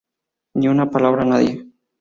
Ni una palabra a nadie.